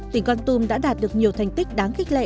tỉnh con tùm đã đạt được nhiều thành tích đáng kích lệ